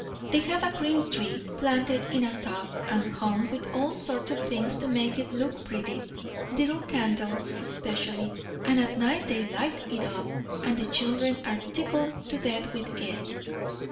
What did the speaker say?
They have a green tree, planted in a tub, and hung with all sorts of things to make it look pretty; little candles especially; and at night they light it up; and the children are tickled to death with it."